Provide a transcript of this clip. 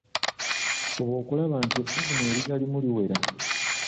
Fuba okulaba nti ebbugumu erigalimu liwera..